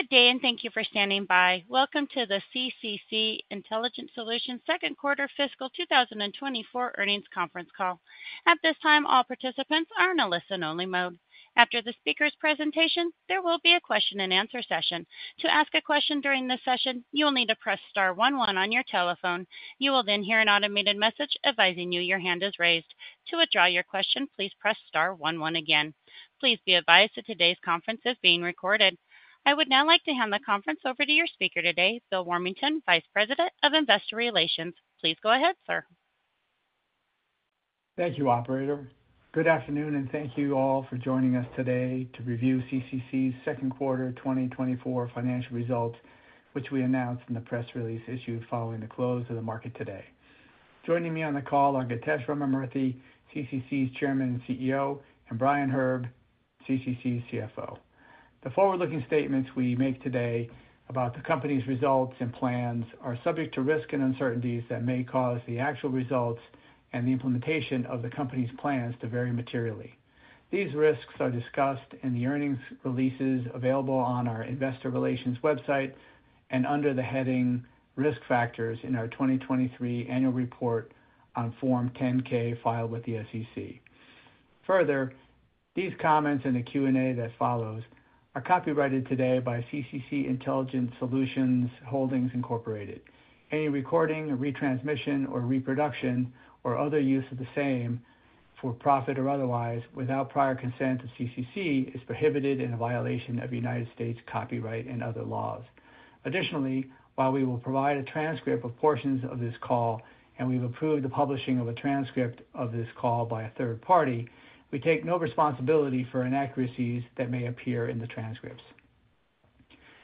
Good day, and thank you for standing by. Welcome to the CCC Intelligent Solutions second quarter fiscal 2024 earnings conference call. At this time, all participants are in a listen-only mode. After the speaker's presentation, there will be a question-and-answer session. To ask a question during this session, you will need to press star one one on your telephone. You will then hear an automated message advising you your hand is raised. To withdraw your question, please press star one one again. Please be advised that today's conference is being recorded. I would now like to hand the conference over to your speaker today, Bill Warmington, Vice President of Investor Relations. Please go ahead, sir. Thank you, Operator. Good afternoon, and thank you all for joining us today to review CCC's Second Quarter 2024 financial results, which we announced in the press release issued following the close of the market today. Joining me on the call are Githesh Ramamurthy, CCC's Chairman and CEO, and Brian Herb, CCC's CFO. The forward-looking statements we make today about the company's results and plans are subject to risks and uncertainties that may cause the actual results and the implementation of the company's plans to vary materially. These risks are discussed in the earnings releases available on our Investor Relations website and under the heading "Risk Factors" in our 2023 Annual Report on Form 10-K filed with the SEC. Further, these comments and the Q&A that follows are copyrighted today by CCC Intelligent Solutions Holdings, Incorporated. Any recording, retransmission, or reproduction, or other use of the same, for profit or otherwise, without prior consent of CCC, is prohibited and a violation of United States copyright and other laws. Additionally, while we will provide a transcript of portions of this call, and we've approved the publishing of a transcript of this call by a third party, we take no responsibility for inaccuracies that may appear in the transcripts.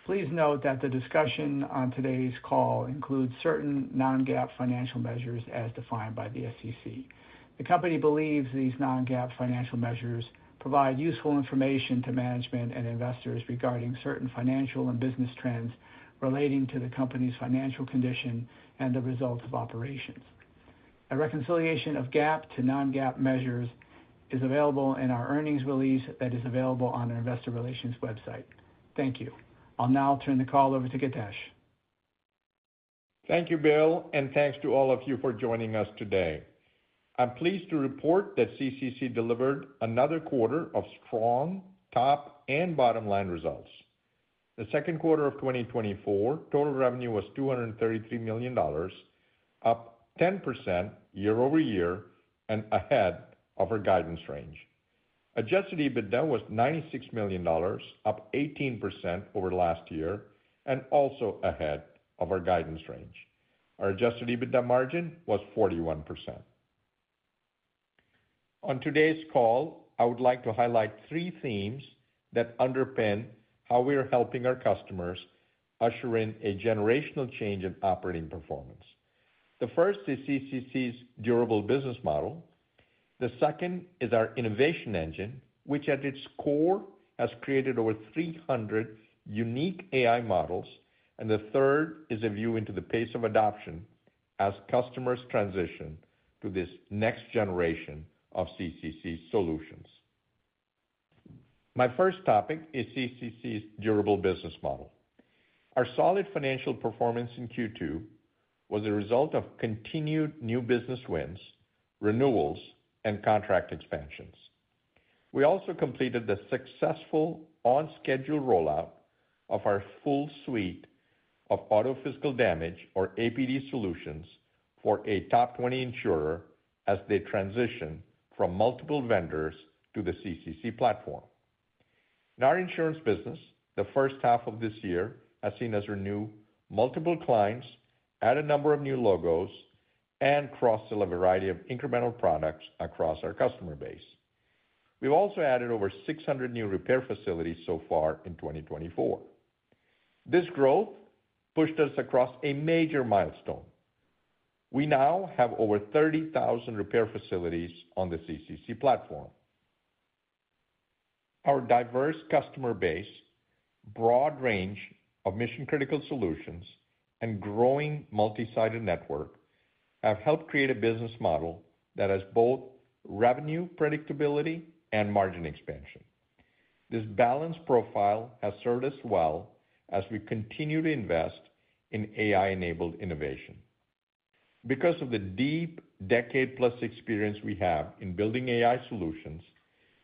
Please note that the discussion on today's call includes certain non-GAAP financial measures as defined by the SEC. The company believes these non-GAAP financial measures provide useful information to management and investors regarding certain financial and business trends relating to the company's financial condition and the results of operations. A reconciliation of GAAP to non-GAAP measures is available in our earnings release that is available on our Investor Relations website. Thank you. I'll now turn the call over to Githesh. Thank you, Bill, and thanks to all of you for joining us today. I'm pleased to report that CCC delivered another quarter of strong top and bottom line results. The second quarter of 2024 total revenue was $233 million, up 10% year-over-year and ahead of our guidance range. Adjusted EBITDA was $96 million, up 18% over last year, and also ahead of our guidance range. Our adjusted EBITDA margin was 41%. On today's call, I would like to highlight three themes that underpin how we are helping our customers usher in a generational change in operating performance. The first is CCC's durable business model. The second is our innovation engine, which at its core has created over 300 unique AI models. And the third is a view into the pace of adoption as customers transition to this next generation of CCC solutions. My first topic is CCC's durable business model. Our solid financial performance in Q2 was a result of continued new business wins, renewals, and contract expansions. We also completed the successful on-schedule rollout of our full suite of auto physical damage, or APD, solutions for a top 20 insurer as they transition from multiple vendors to the CCC platform. In our insurance business, the first half of this year has seen us renew multiple clients, add a number of new logos, and cross-sell a variety of incremental products across our customer base. We've also added over 600 new repair facilities so far in 2024. This growth pushed us across a major milestone. We now have over 30,000 repair facilities on the CCC platform. Our diverse customer base, broad range of mission-critical solutions, and growing multi-sided network have helped create a business model that has both revenue, predictability, and margin expansion. This balanced profile has served us well as we continue to invest in AI-enabled innovation. Because of the deep decade-plus experience we have in building AI solutions,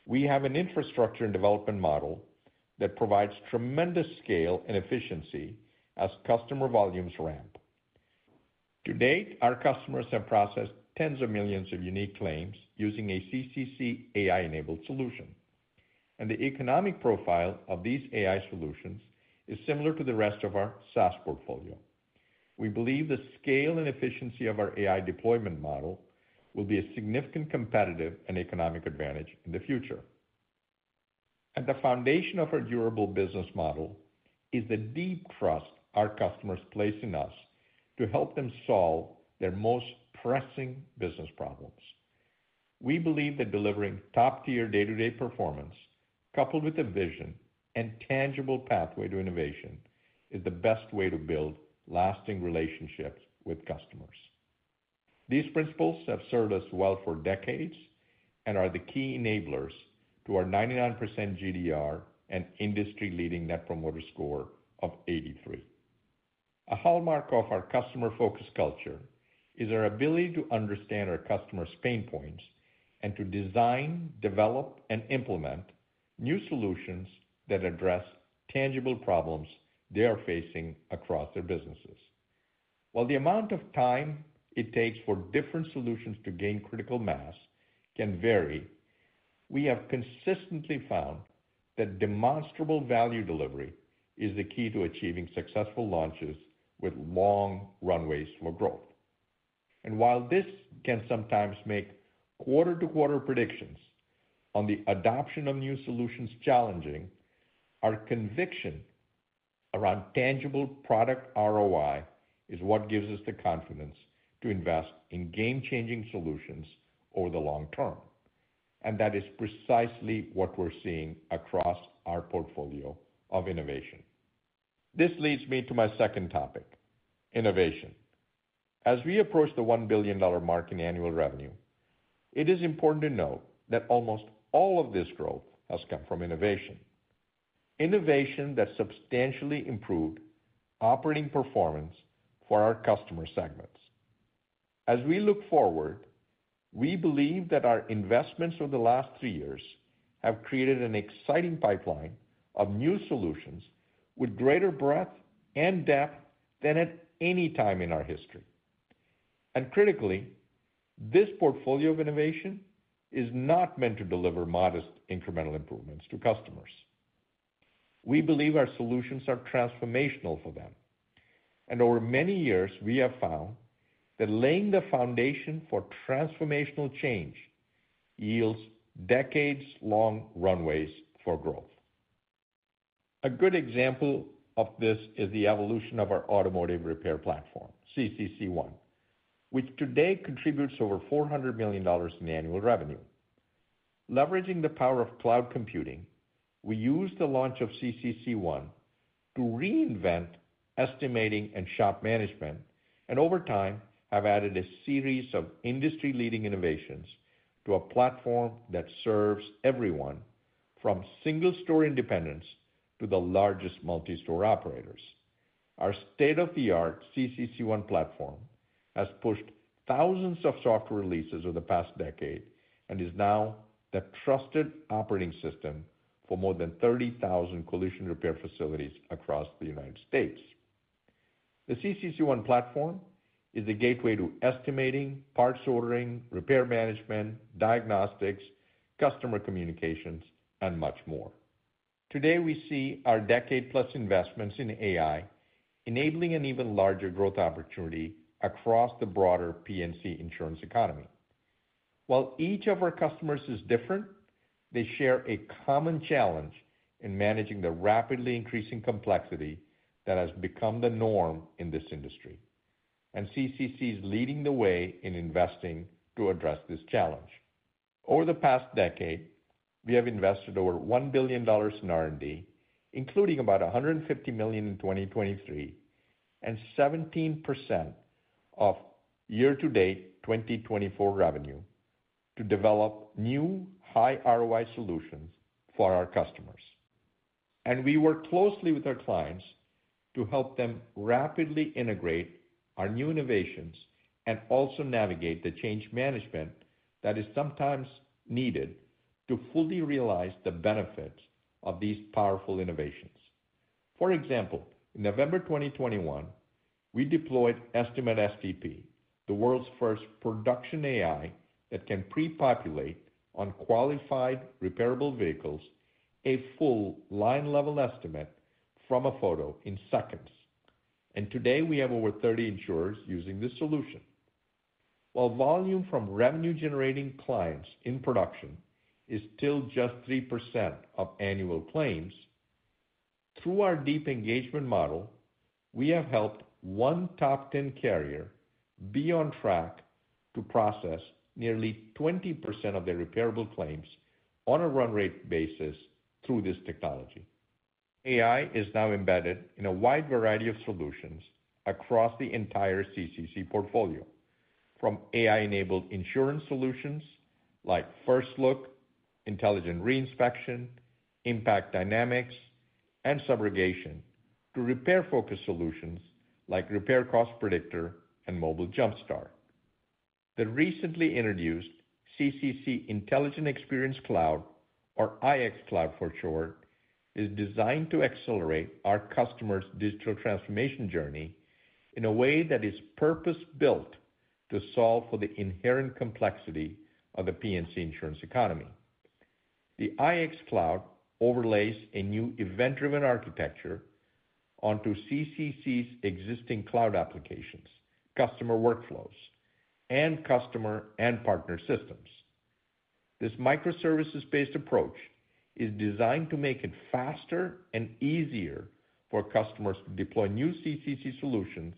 we have an infrastructure and development model that provides tremendous scale and efficiency as customer volumes ramp. To date, our customers have processed tens of millions of unique claims using a CCC AI-enabled solution. The economic profile of these AI solutions is similar to the rest of our SaaS portfolio. We believe the scale and efficiency of our AI deployment model will be a significant competitive and economic advantage in the future. At the foundation of our durable business model is the deep trust our customers place in us to help them solve their most pressing business problems. We believe that delivering top-tier day-to-day performance, coupled with a vision and tangible pathway to innovation, is the best way to build lasting relationships with customers. These principles have served us well for decades and are the key enablers to our 99% GDR and industry-leading Net Promoter Score of 83. A hallmark of our customer-focused culture is our ability to understand our customers' pain points and to design, develop, and implement new solutions that address tangible problems they are facing across their businesses. While the amount of time it takes for different solutions to gain critical mass can vary, we have consistently found that demonstrable value delivery is the key to achieving successful launches with long runways for growth. And while this can sometimes make quarter-to-quarter predictions on the adoption of new solutions challenging, our conviction around tangible product ROI is what gives us the confidence to invest in game-changing solutions over the long term. And that is precisely what we're seeing across our portfolio of innovation. This leads me to my second topic, innovation. As we approach the $1 billion mark in annual revenue, it is important to note that almost all of this growth has come from innovation. Innovation that substantially improved operating performance for our customer segments. As we look forward, we believe that our investments over the last three years have created an exciting pipeline of new solutions with greater breadth and depth than at any time in our history. And critically, this portfolio of innovation is not meant to deliver modest incremental improvements to customers. We believe our solutions are transformational for them. Over many years, we have found that laying the foundation for transformational change yields decades-long runways for growth. A good example of this is the evolution of our automotive repair platform, CCC ONE, which today contributes over $400 million in annual revenue. Leveraging the power of cloud computing, we used the launch of CCC ONE to reinvent estimating and shop management, and over time have added a series of industry-leading innovations to a platform that serves everyone from single-store independents to the largest multi-store operators. Our state-of-the-art CCC ONE platform has pushed thousands of software releases over the past decade and is now the trusted operating system for more than 30,000 collision repair facilities across the United States. The CCC ONE platform is the gateway to estimating, parts ordering, repair management, diagnostics, customer communications, and much more. Today, we see our decade-plus investments in AI enabling an even larger growth opportunity across the broader P&C insurance economy. While each of our customers is different, they share a common challenge in managing the rapidly increasing complexity that has become the norm in this industry. CCC is leading the way in investing to address this challenge. Over the past decade, we have invested over $1 billion in R&D, including about $150 million in 2023, and 17% of year-to-date 2024 revenue to develop new high-ROI solutions for our customers. We work closely with our clients to help them rapidly integrate our new innovations and also navigate the change management that is sometimes needed to fully realize the benefits of these powerful innovations. For example, in November 2021, we deployed Estimate STP, the world's first production AI that can pre-populate on qualified repairable vehicles a full line-level estimate from a photo in seconds. And today, we have over 30 insurers using the solution. While volume from revenue-generating clients in production is still just 3% of annual claims, through our deep engagement model, we have helped one top 10 carrier be on track to process nearly 20% of their repairable claims on a run-rate basis through this technology. AI is now embedded in a wide variety of solutions across the entire CCC portfolio, from AI-enabled insurance solutions like First Look, Intelligent Reinspection, Impact Dynamics, and Subrogation, to repair-focused solutions like Repair Cost Predictor and Mobile Jumpstart. The recently introduced CCC Intelligent Experience Cloud, or IX Cloud for short, is designed to accelerate our customers' digital transformation journey in a way that is purpose-built to solve for the inherent complexity of the P&C insurance economy. The IX Cloud overlays a new event-driven architecture onto CCC's existing cloud applications, customer workflows, and customer and partner systems. This microservices-based approach is designed to make it faster and easier for customers to deploy new CCC solutions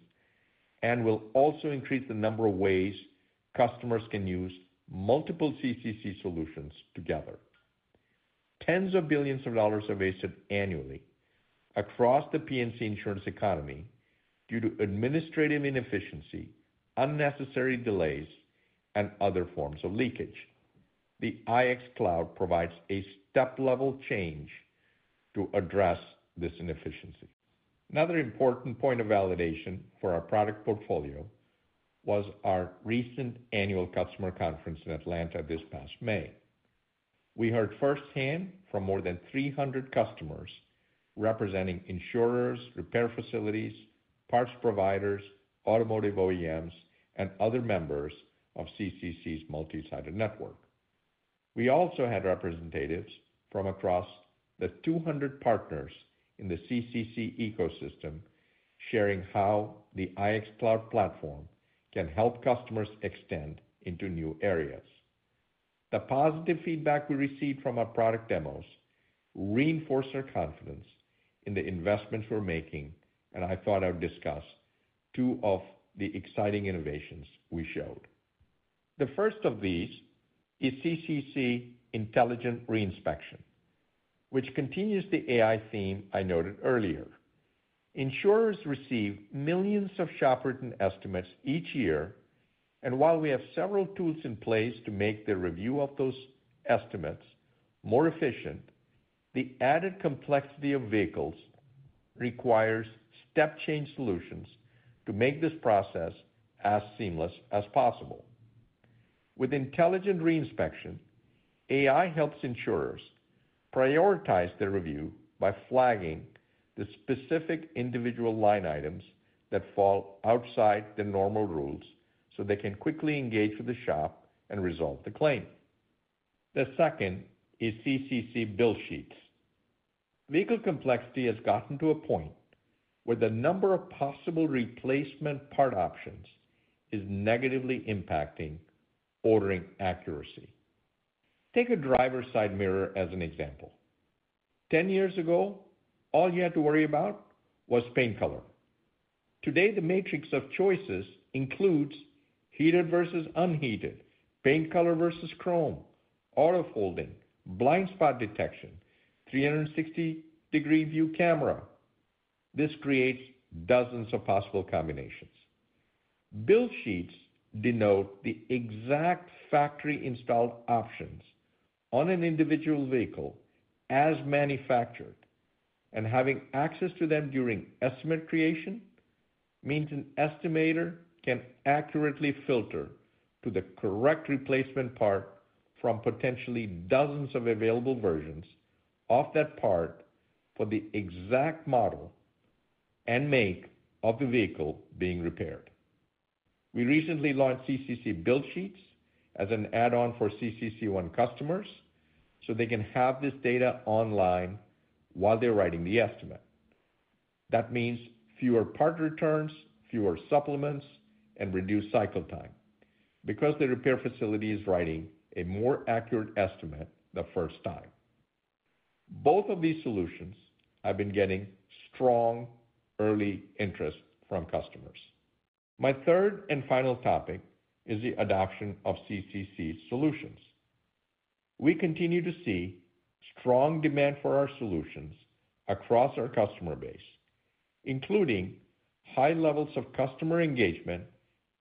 and will also increase the number of ways customers can use multiple CCC solutions together. Tens of billions of dollars are wasted annually across the P&C insurance economy due to administrative inefficiency, unnecessary delays, and other forms of leakage. The IX Cloud provides a step-level change to address this inefficiency. Another important point of validation for our product portfolio was our recent annual customer conference in Atlanta this past May. We heard firsthand from more than 300 customers representing insurers, repair facilities, parts providers, automotive OEMs, and other members of CCC's multi-sided network. We also had representatives from across the 200 partners in the CCC ecosystem sharing how the IX Cloud platform can help customers extend into new areas. The positive feedback we received from our product demos reinforced our confidence in the investments we're making, and I thought I would discuss two of the exciting innovations we showed. The first of these is CCC Intelligent Reinspection, which continues the AI theme I noted earlier. Insurers receive millions of shop written estimates each year. While we have several tools in place to make the review of those estimates more efficient, the added complexity of vehicles requires step-change solutions to make this process as seamless as possible. With Intelligent Reinspection, AI helps insurers prioritize their review by flagging the specific individual line items that fall outside the normal rules so they can quickly engage with the shop and resolve the claim. The second is CCC Build Sheets. Vehicle complexity has gotten to a point where the number of possible replacement part options is negatively impacting ordering accuracy. Take a driver's side mirror as an example. 10 years ago, all you had to worry about was paint color. Today, the matrix of choices includes heated versus unheated, paint color versus chrome, auto folding, blind spot detection, 360° view camera. This creates dozens of possible combinations. Build sheets denote the exact factory-installed options on an individual vehicle as manufactured. And having access to them during estimate creation means an estimator can accurately filter to the correct replacement part from potentially dozens of available versions of that part for the exact model and make of the vehicle being repaired. We recently launched CCC Build Sheets as an add-on for CCC ONE customers so they can have this data online while they're writing the estimate. That means fewer part returns, fewer supplements, and reduced cycle time because the repair facility is writing a more accurate estimate the first time. Both of these solutions have been getting strong early interest from customers. My third and final topic is the adoption of CCC solutions. We continue to see strong demand for our solutions across our customer base, including high levels of customer engagement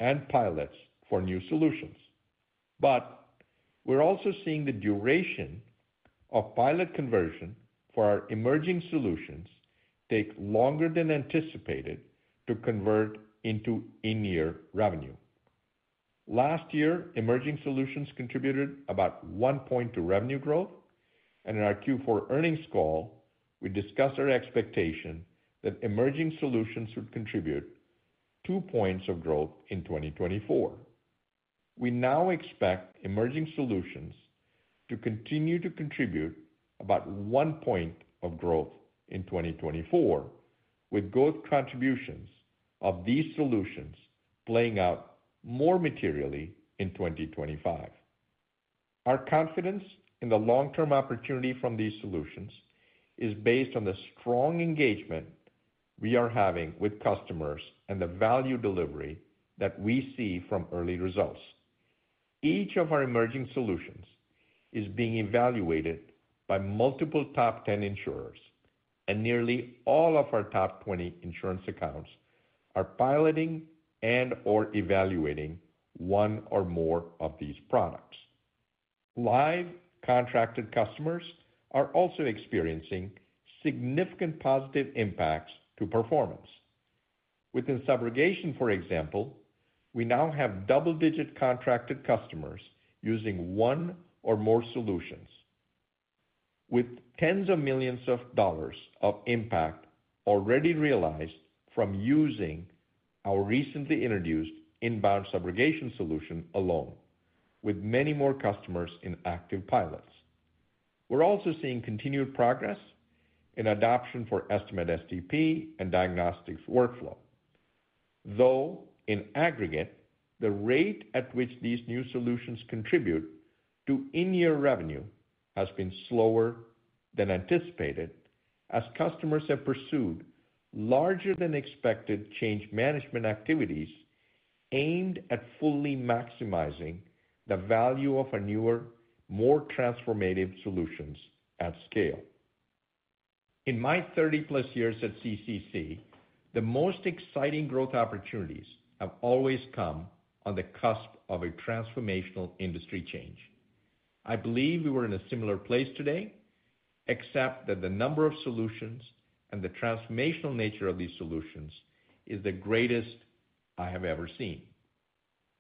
and pilots for new solutions. But we're also seeing the duration of pilot conversion for our emerging solutions take longer than anticipated to convert into in-year revenue. Last year, emerging solutions contributed about one point to revenue growth. In our Q4 earnings call, we discussed our expectation that emerging solutions would contribute two points of growth in 2024. We now expect emerging solutions to continue to contribute about one point of growth in 2024, with growth contributions of these solutions playing out more materially in 2025. Our confidence in the long-term opportunity from these solutions is based on the strong engagement we are having with customers and the value delivery that we see from early results. Each of our emerging solutions is being evaluated by multiple top 10 insurers, and nearly all of our top 20 insurance accounts are piloting and/or evaluating one or more of these products. Live contracted customers are also experiencing significant positive impacts to performance. Within subrogation, for example, we now have double-digit contracted customers using one or more solutions, with tens of millions dollars of impact already realized from using our recently introduced inbound subrogation solution alone, with many more customers in active pilots. We're also seeing continued progress in adoption for estimate STP and diagnostics workflow. Though in aggregate, the rate at which these new solutions contribute to in-year revenue has been slower than anticipated as customers have pursued larger-than-expected change management activities aimed at fully maximizing the value of our newer, more transformative solutions at scale. In my 30+ years at CCC, the most exciting growth opportunities have always come on the cusp of a transformational industry change. I believe we were in a similar place today, except that the number of solutions and the transformational nature of these solutions is the greatest I have ever seen.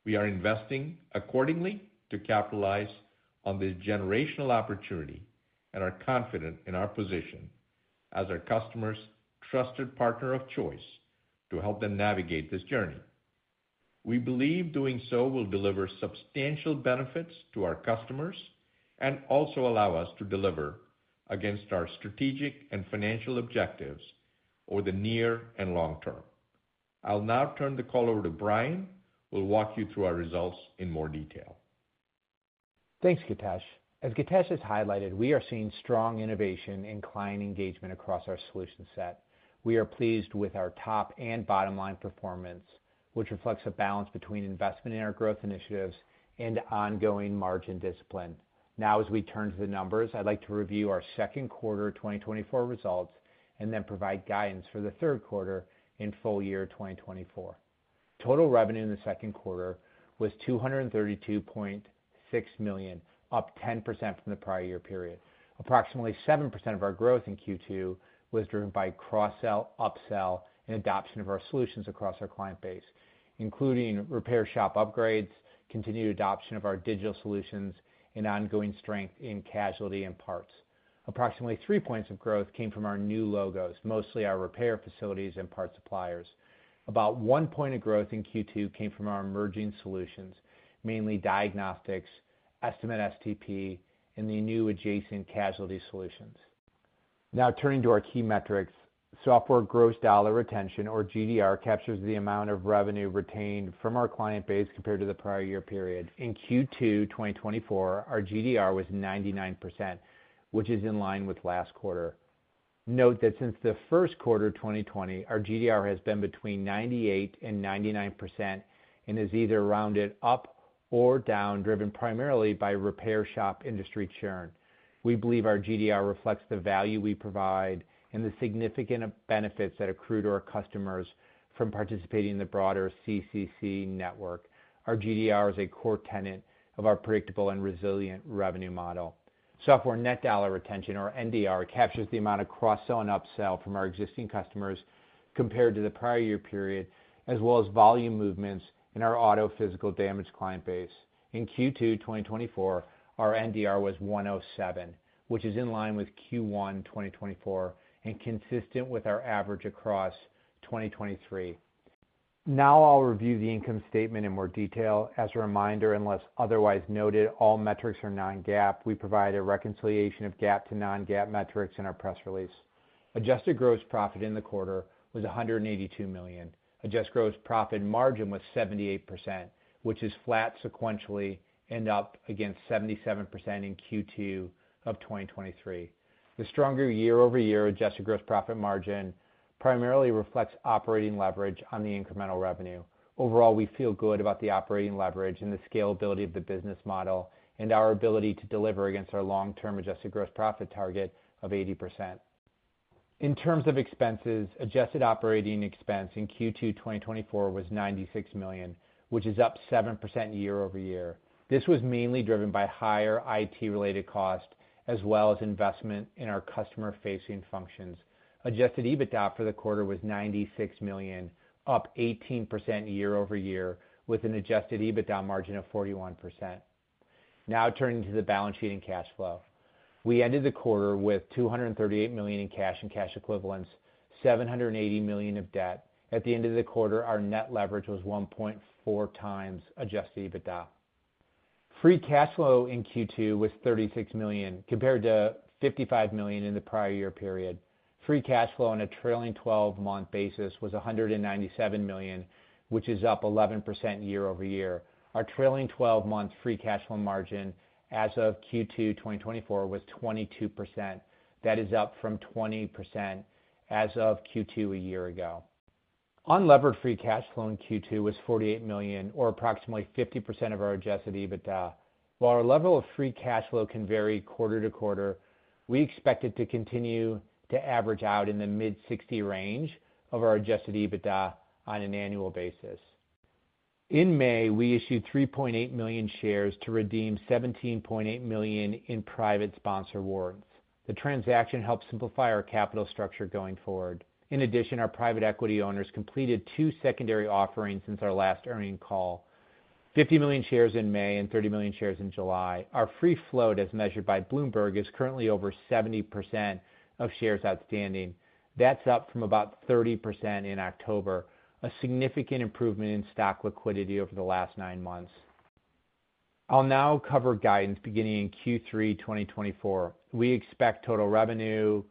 We are investing accordingly to capitalize on the generational opportunity and are confident in our position as our customer's trusted partner of choice to help them navigate this journey. We believe doing so will deliver substantial benefits to our customers and also allow us to deliver against our strategic and financial objectives over the near and long term. I'll now turn the call over to Brian, who will walk you through our results in more detail. Thanks, Githesh. As Githesh has highlighted, we are seeing strong innovation and client engagement across our solution set. We are pleased with our top and bottom-line performance, which reflects a balance between investment in our growth initiatives and ongoing margin discipline. Now, as we turn to the numbers, I'd like to review our second quarter 2024 results and then provide guidance for the third quarter in full year 2024. Total revenue in the second quarter was $232.6 million, up 10% from the prior year period. Approximately 7% of our growth in Q2 was driven by cross-sell, upsell, and adoption of our solutions across our client base, including repair shop upgrades, continued adoption of our digital solutions, and ongoing strength in casualty and parts. Approximately three points of growth came from our new logos, mostly our repair facilities and parts suppliers. About one point of growth in Q2 came from our emerging solutions, mainly diagnostics, estimate STP, and the new adjacent casualty solutions. Now, turning to our key metrics, software gross dollar retention, or GDR, captures the amount of revenue retained from our client base compared to the prior year period. In Q2 2024, our GDR was 99%, which is in line with last quarter. Note that since the first quarter of 2020, our GDR has been between 98%-99% and is either rounded up or down, driven primarily by repair shop industry churn. We believe our GDR reflects the value we provide and the significant benefits that accrued to our customers from participating in the broader CCC network. Our GDR is a core tenet of our predictable and resilient revenue model. Software net dollar retention, or NDR, captures the amount of cross-sell and upsell from our existing customers compared to the prior year period, as well as volume movements in our auto physical damage client base. In Q2 2024, our NDR was 107, which is in line with Q1 2024 and consistent with our average across 2023. Now, I'll review the income statement in more detail. As a reminder, unless otherwise noted, all metrics are non-GAAP. We provide a reconciliation of GAAP to non-GAAP metrics in our press release. Adjusted gross profit in the quarter was $182 million. Adjusted gross profit margin was 78%, which is flat sequentially and up against 77% in Q2 of 2023. The stronger year-over-year adjusted gross profit margin primarily reflects operating leverage on the incremental revenue. Overall, we feel good about the operating leverage and the scalability of the business model and our ability to deliver against our long-term adjusted gross profit target of 80%. In terms of expenses, adjusted operating expense in Q2 2024 was $96 million, which is up 7% year-over-year. This was mainly driven by higher IT-related costs as well as investment in our customer-facing functions. Adjusted EBITDA for the quarter was $96 million, up 18% year-over-year with an adjusted EBITDA margin of 41%. Now, turning to the balance sheet and cash flow. We ended the quarter with $238 million in cash and cash equivalents, $780 million of debt. At the end of the quarter, our net leverage was 1.4x Adjusted EBITDA. Free cash flow in Q2 was $36 million compared to $55 million in the prior year period. Free cash flow on a trailing 12-month basis was $197 million, which is up 11% year-over-year. Our trailing 12-month free cash flow margin as of Q2 2024 was 22%. That is up from 20% as of Q2 a year ago. Unlevered free cash flow in Q2 was $48 million, or approximately 50% of our Adjusted EBITDA. While our level of free cash flow can vary quarter to quarter, we expect it to continue to average out in the mid-60 range of our Adjusted EBITDA on an annual basis. In May, we issued 3.8 million shares to redeem 17.8 million in private sponsor warrants. The transaction helped simplify our capital structure going forward. In addition, our private equity owners completed two secondary offerings since our last earnings call: 50 million shares in May and 30 million shares in July. Our free float, as measured by Bloomberg, is currently over 70% of shares outstanding. That's up from about 30% in October, a significant improvement in stock liquidity over the last nine months. I'll now cover guidance beginning in Q3 2024. We expect total revenue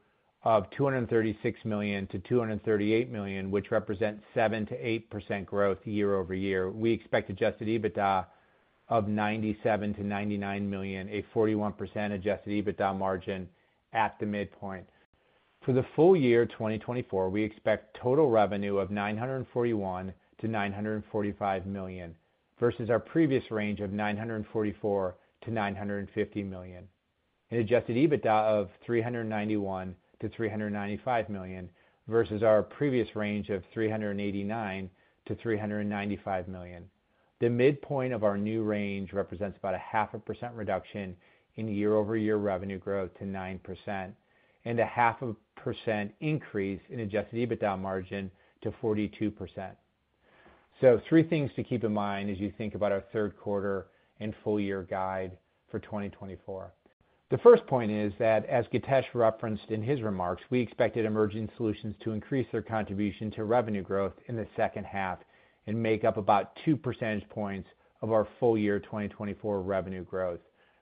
of $236 million-$238 million, which represents 7%-8% growth year-over-year. We expect Adjusted EBITDA of $97 million-$99 million, a 41% Adjusted EBITDA margin at the midpoint. For the full year 2024, we expect total revenue of $941 million-$945 million versus our previous range of $944 million-$950 million. An Adjusted EBITDA of $391 million-$395 million versus our previous range of $389 million-$395 million. The midpoint of our new range represents about 0.5% reduction in year-over-year revenue growth to 9% and 0.5% increase in Adjusted EBITDA margin to 42%. So, three things to keep in mind as you think about our third quarter and full year guide for 2024. The first point is that, as Githesh referenced in his remarks, we expected emerging solutions to increase their contribution to revenue growth in the second half and make up about two percentage points of our full year 2024 revenue growth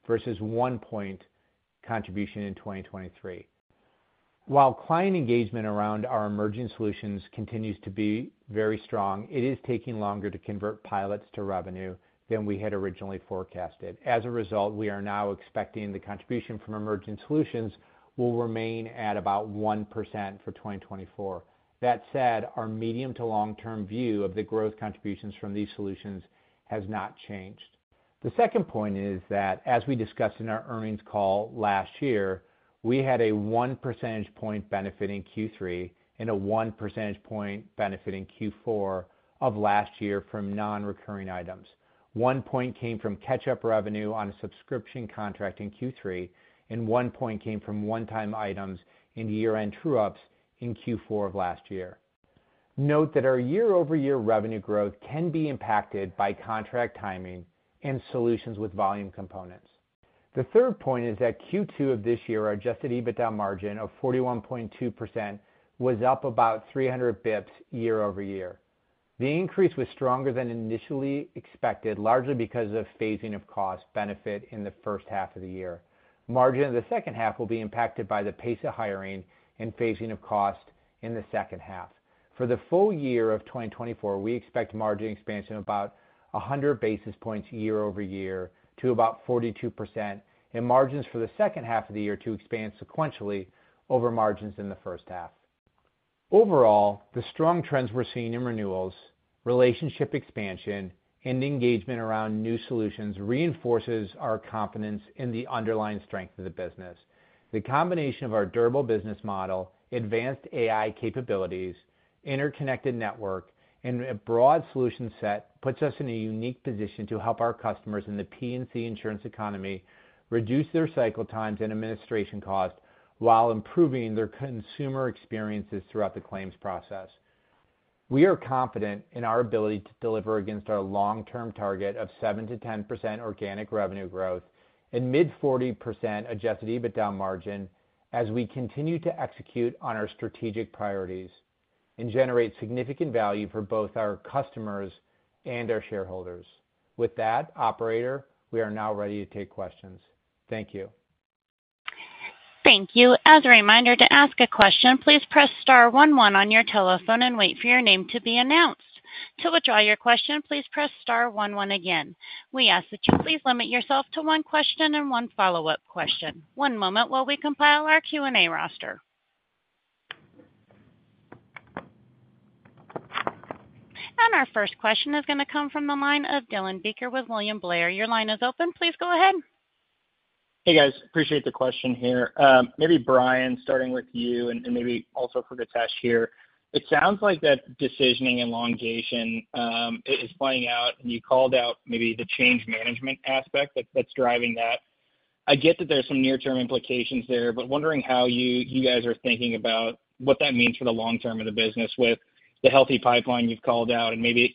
versus one point contribution in 2023. While client engagement around our emerging solutions continues to be very strong, it is taking longer to convert pilots to revenue than we had originally forecasted. As a result, we are now expecting the contribution from emerging solutions will remain at about 1% for 2024. That said, our medium to long-term view of the growth contributions from these solutions has not changed. The second point is that, as we discussed in our earnings call last year, we had a one percentage point benefit in Q3 and a one percentage point benefit in Q4 of last year from non-recurring items. One point came from catch-up revenue on a subscription contract in Q3, and one point came from one-time items in year-end true-ups in Q4 of last year. Note that our year-over-year revenue growth can be impacted by contract timing and solutions with volume components. The third point is that Q2 of this year, our Adjusted EBITDA margin of 41.2% was up about 300 basis points year-over-year. The increase was stronger than initially expected, largely because of phasing of cost benefit in the first half of the year. Margin in the second half will be impacted by the pace of hiring and phasing of cost in the second half. For the full year of 2024, we expect margin expansion of about 100 basis points year-over-year to about 42%, and margins for the second half of the year to expand sequentially over margins in the first half. Overall, the strong trends we're seeing in renewals, relationship expansion, and engagement around new solutions reinforces our confidence in the underlying strength of the business. The combination of our durable business model, advanced AI capabilities, interconnected network, and a broad solution set puts us in a unique position to help our customers in the P&C insurance economy reduce their cycle times and administration costs while improving their consumer experiences throughout the claims process. We are confident in our ability to deliver against our long-term target of 7%-10% organic revenue growth and mid-40% Adjusted EBITDA margin as we continue to execute on our strategic priorities and generate significant value for both our customers and our shareholders. With that, Operator, we are now ready to take questions. Thank you. Thank you. As a reminder, to ask a question, please press star one one on your telephone and wait for your name to be announced. To withdraw your question, please press star one one again. We ask that you please limit yourself to one question and one follow-up question. One moment while we compile our Q&A roster. Our first question is going to come from the line of Dylan Becker with William Blair. Your line is open. Please go ahead. Hey, guys. Appreciate the question here. Maybe Brian, starting with you and maybe also for Githesh here. It sounds like that decisioning and elongation is playing out, and you called out maybe the change management aspect that's driving that. I get that there are some near-term implications there, but wondering how you guys are thinking about what that means for the long term of the business with the healthy pipeline you've called out and maybe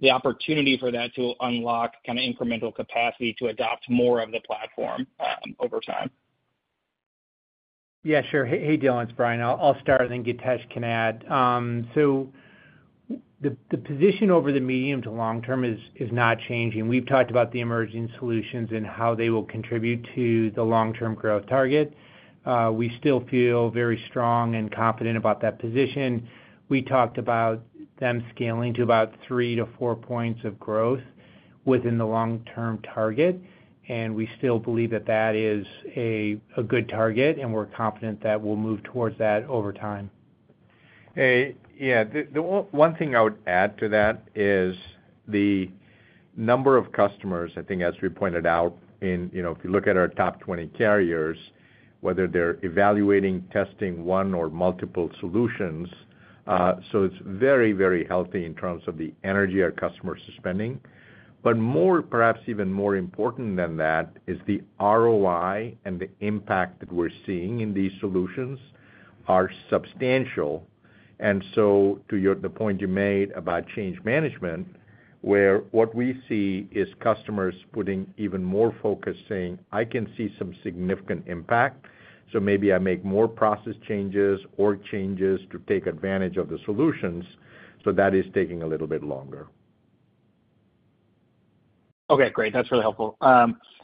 the opportunity for that to unlock kind of incremental capacity to adopt more of the platform over time. Yeah, sure. Hey, Dylan. It's Brian. I'll start, and then Githesh can add. So the position over the medium to long term is not changing. We've talked about the emerging solutions and how they will contribute to the long-term growth target. We still feel very strong and confident about that position. We talked about them scaling to about three-four points of growth within the long-term target, and we still believe that that is a good target, and we're confident that we'll move towards that over time. Yeah. The one thing I would add to that is the number of customers, I think, as we pointed out, if you look at our top 20 carriers, whether they're evaluating, testing one, or multiple solutions. So it's very, very healthy in terms of the energy our customers are spending. But more, perhaps even more important than that, is the ROI and the impact that we're seeing in these solutions are substantial. And so, to the point you made about change management, where what we see is customers putting even more focus saying, "I can see some significant impact, so maybe I make more process changes or changes to take advantage of the solutions." So that is taking a little bit longer. Okay. Great. That's really helpful.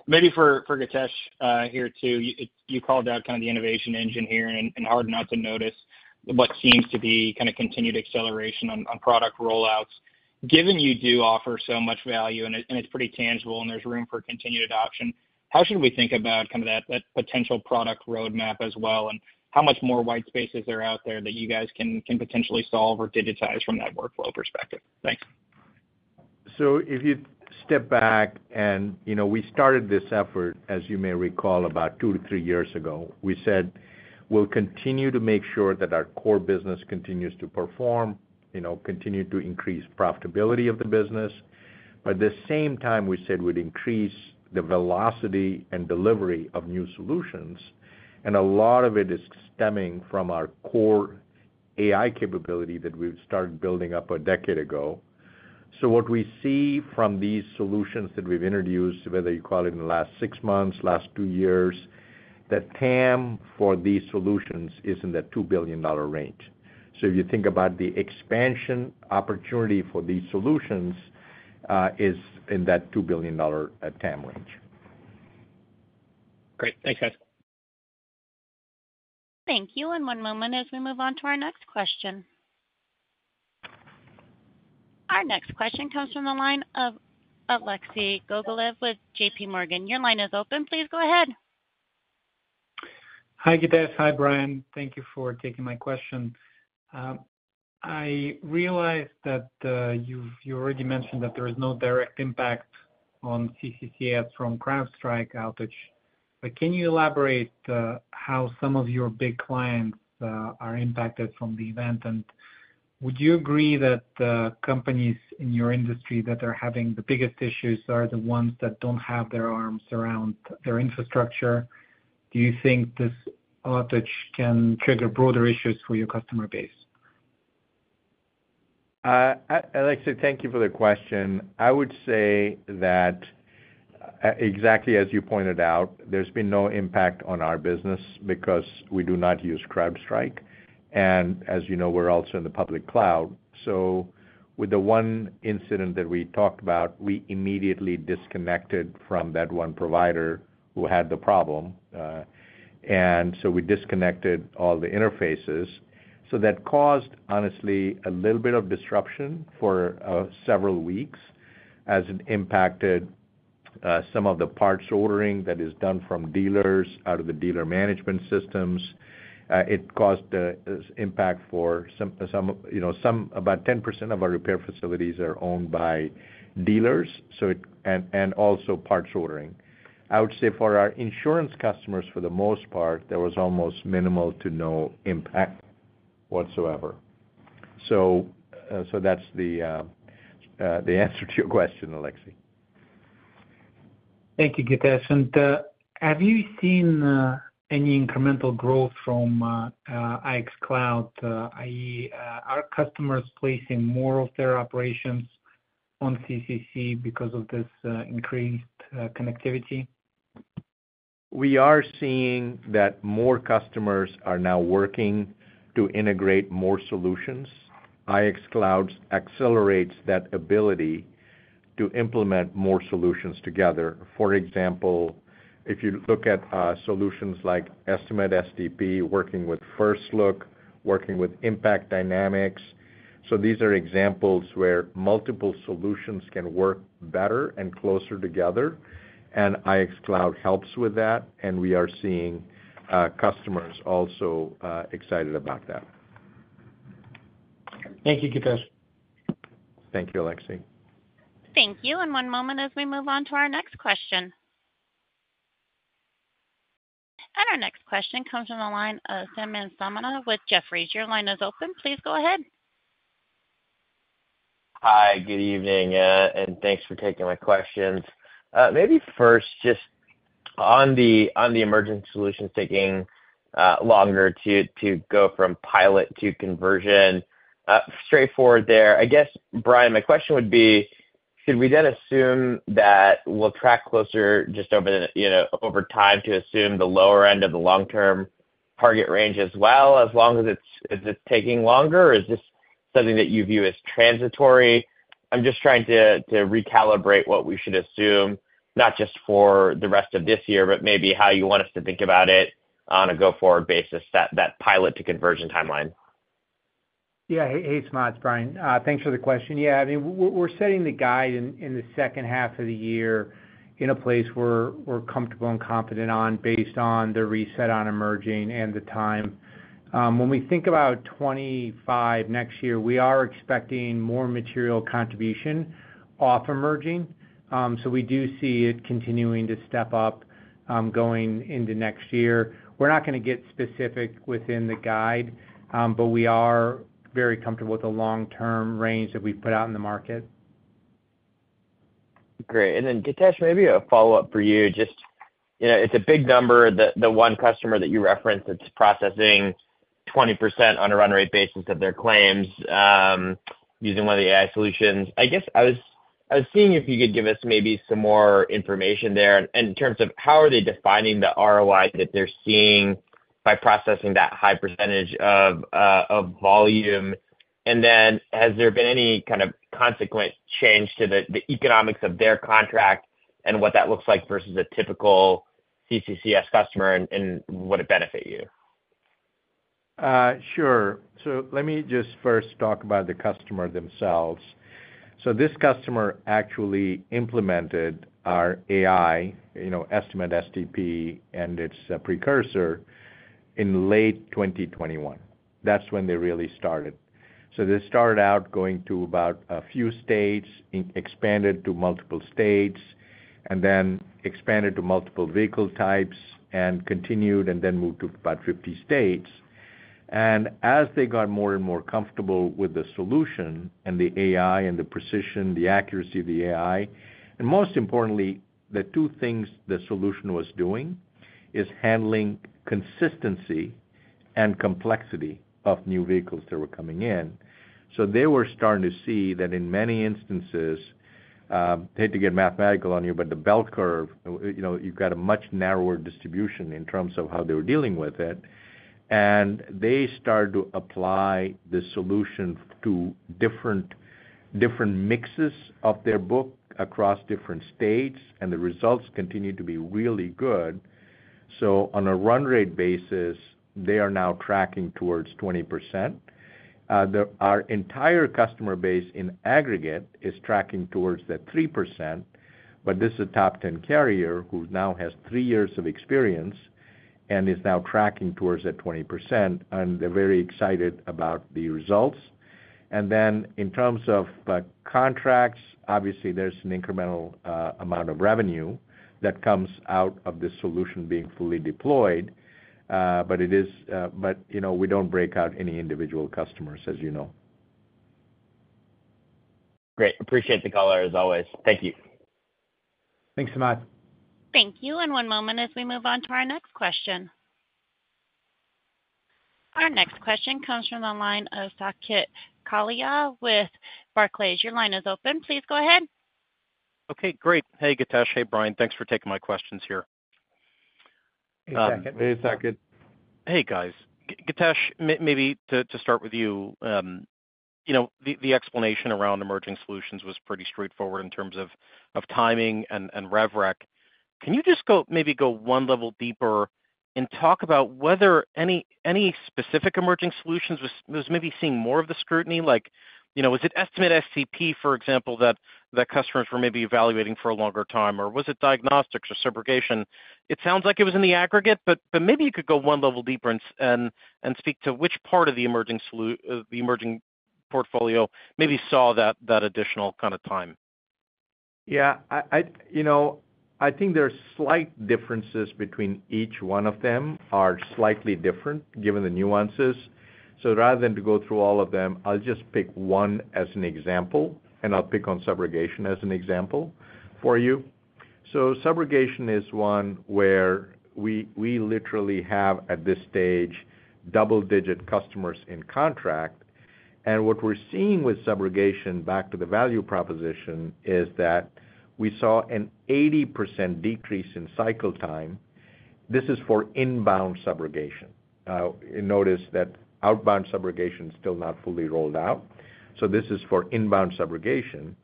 Maybe for Githesh here too, you called out kind of the innovation engine here and hard not to notice what seems to be kind of continued acceleration on product rollouts. Given you do offer so much value, and it's pretty tangible, and there's room for continued adoption, how should we think about kind of that potential product roadmap as well, and how much more white spaces are out there that you guys can potentially solve or digitize from that workflow perspective? Thanks. So if you step back, and we started this effort, as you may recall, about two-three years ago, we said, "We'll continue to make sure that our core business continues to perform, continue to increase profitability of the business." At the same time, we said we'd increase the velocity and delivery of new solutions, and a lot of it is stemming from our core AI capability that we've started building up a decade ago. So what we see from these solutions that we've introduced, whether you call it in the last six months, last two years, the TAM for these solutions is in the $2 billion range. So if you think about the expansion opportunity for these solutions, it's in that $2 billion TAM range. Great. Thanks, guys. Thank you. And one moment as we move on to our next question. Our next question comes from the line of Alexei Gogolev with JPMorgan. Your line is open. Please go ahead. Hi, Githesh. Hi, Brian. Thank you for taking my question. I realize that you already mentioned that there is no direct impact on CCCS from CrowdStrike outage. But can you elaborate how some of your big clients are impacted from the event? Would you agree that companies in your industry that are having the biggest issues are the ones that don't have their arms around their infrastructure? Do you think this outage can trigger broader issues for your customer base? Alexei, thank you for the question. I would say that exactly as you pointed out, there's been no impact on our business because we do not use CrowdStrike. And as you know, we're also in the public cloud. So with the one incident that we talked about, we immediately disconnected from that one provider who had the problem. And so we disconnected all the interfaces. So that caused, honestly, a little bit of disruption for several weeks as it impacted some of the parts ordering that is done from dealers out of the dealer management systems. It caused impact for some. About 10% of our repair facilities are owned by dealers, and also parts ordering. I would say for our insurance customers, for the most part, there was almost minimal to no impact whatsoever. So that's the answer to your question, Alexei. Thank you, Githesh. And have you seen any incremental growth from IX Cloud, i.e., are customers placing more of their operations on CCC because of this increased connectivity? We are seeing that more customers are now working to integrate more solutions. IX Cloud accelerates that ability to implement more solutions together. For example, if you look at solutions like Estimate-STP, working with First Look, working with Impact Dynamics. So these are examples where multiple solutions can work better and closer together. And IX Cloud helps with that, and we are seeing customers also excited about that. Thank you, Githesh. Thank you, Alexei. Thank you. One moment as we move on to our next question. Our next question comes from the line of Samad Samana with Jefferies. Your line is open. Please go ahead. Hi, good evening, and thanks for taking my questions. Maybe first, just on the emerging solutions taking longer to go from pilot to conversion, straightforward there. I guess, Brian, my question would be, should we then assume that we'll track closer just over time to assume the lower end of the long-term target range as well, as long as it's taking longer, or is this something that you view as transitory? I'm just trying to recalibrate what we should assume, not just for the rest of this year, but maybe how you want us to think about it on a go-forward basis, that pilot to conversion timeline. Yeah. Hey, Samad, Brian. Thanks for the question. Yeah. I mean, we're setting the guide in the second half of the year in a place we're comfortable and confident on based on the reset on emerging and the time. When we think about 2025 next year, we are expecting more material contribution off emerging. So we do see it continuing to step up going into next year. We're not going to get specific within the guide, but we are very comfortable with the long-term range that we've put out in the market. Great. And then, Githesh, maybe a follow-up for you. Just, it's a big number, the one customer that you referenced that's processing 20% on a run rate basis of their claims using one of the AI solutions. I guess I was seeing if you could give us maybe some more information there in terms of how are they defining the ROI that they're seeing by processing that high percentage of volume. And then has there been any kind of consequent change to the economics of their contract and what that looks like versus a typical CCC's customer and would it benefit you? Sure. So let me just first talk about the customer themselves. So this customer actually implemented our AI Estimate-STP and its precursor in late 2021. That's when they really started. So they started out going to about a few states, expanded to multiple states, and then expanded to multiple vehicle types, and continued, and then moved to about 50 states. As they got more and more comfortable with the solution and the AI and the precision, the accuracy of the AI, and most importantly, the two things the solution was doing is handling consistency and complexity of new vehicles that were coming in. They were starting to see that in many instances, I hate to get mathematical on you, but the bell curve, you've got a much narrower distribution in terms of how they were dealing with it. They started to apply the solution to different mixes of their book across different states, and the results continue to be really good. On a run rate basis, they are now tracking towards 20%. Our entire customer base in aggregate is tracking towards that 3%, but this is a top 10 carrier who now has three years of experience and is now tracking towards that 20%, and they're very excited about the results. And then in terms of contracts, obviously, there's an incremental amount of revenue that comes out of the solution being fully deployed, but it is, but we don't break out any individual customers, as you know. Great. Appreciate the call, as always. Thank you. Thanks so much. Thank you. And one moment as we move on to our next question. Our next question comes from the line of Saket Kalia with Barclays. Your line is open. Please go ahead. Okay. Great. Hey, Githesh. Hey, Brian. Thanks for taking my questions here. Hey, Saket. Hey, guys. Githesh, maybe to start with you, the explanation around emerging solutions was pretty straightforward in terms of timing and REVREC. Can you just maybe go one level deeper and talk about whether any specific emerging solutions was maybe seeing more of the scrutiny? Was it Estimate-STP, for example, that customers were maybe evaluating for a longer time, or was it diagnostics or subrogation? It sounds like it was in the aggregate, but maybe you could go one level deeper and speak to which part of the emerging portfolio maybe saw that additional kind of time. Yeah. I think there are slight differences between each one of them, are slightly different given the nuances. So rather than to go through all of them, I'll just pick one as an example, and I'll pick on subrogation as an example for you. Subrogation is one where we literally have, at this stage, double-digit customers in contract. What we're seeing with subrogation back to the value proposition is that we saw an 80% decrease in cycle time. This is for inbound subrogation. Notice that outbound subrogation is still not fully rolled out. So this is for inbound subrogation.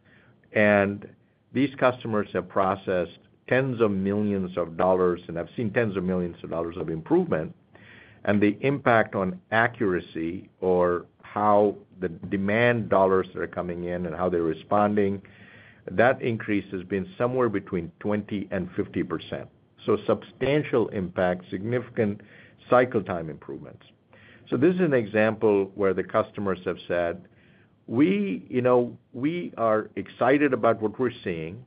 These customers have processed tens of millions of dollars, and I've seen tens of millions of dollars of improvement. The impact on accuracy or how the demand dollars that are coming in and how they're responding, that increase has been somewhere between 20%-50%. So substantial impact, significant cycle time improvements. This is an example where the customers have said, "We are excited about what we're seeing.